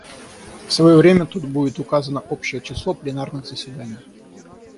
В свое время тут будет указано общее число пленарных заседаний.